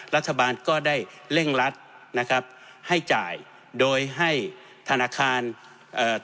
รัฐบาลก็ได้เร่งรัดนะครับให้จ่ายโดยให้ธนาคารเอ่อ